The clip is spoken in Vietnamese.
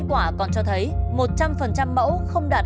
hóa chất tẩy rửa này